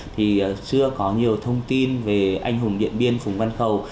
thì xưa có nhiều thông tin về anh hùng điện biên phủng văn khẩu